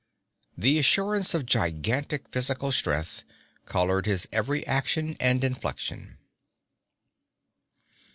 The assurance of gigantic physical strength colored his every action and inflection.